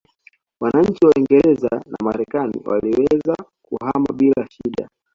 Wananchi wa Uingereza na Marekani waliweza kuhama bila shida